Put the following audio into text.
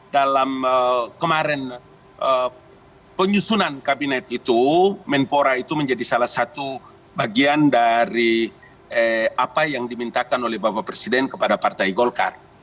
dalam kemarin penyusunan kabinet itu menpora itu menjadi salah satu bagian dari apa yang dimintakan oleh bapak presiden kepada partai golkar